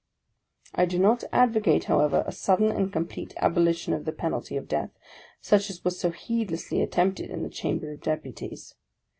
I do not advocate, however, a sudden and complete abolition of the penalty of death, such as was so heedlessly attempted in the Chamber of Deputies.